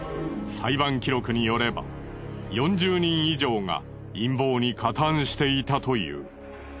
裁判記録によれば４０人以上が陰謀に加担していたという。